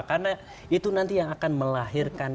karena itu nanti yang akan melahirkan